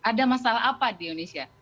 ada masalah apa di indonesia